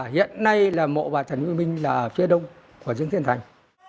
hiện nay là mộ bà trần quỳnh minh là phía đông của dương tiên thành